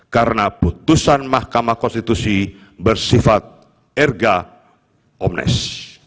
karena putusan mahkamah konstitusi bersifat erga omnes